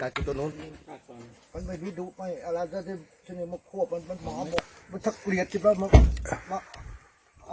ขวบอย่างอายุในประสานภาษา